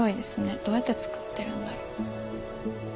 どうやって作ってるんだろう。